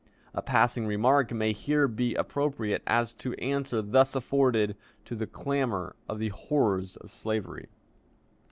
A passing remark may here be appropriate as to the answer thus afforded to the clamor about the "horrors of slavery."